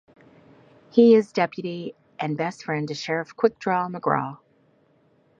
He is deputy and best friend to Sheriff Quick Draw McGraw.